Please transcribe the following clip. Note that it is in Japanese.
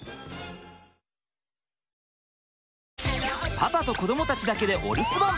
パパと子どもたちだけでお留守番。